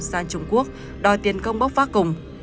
sang trung quốc đòi tiền công bốc phát cùng